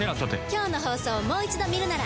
今日の放送をもう一度見るなら。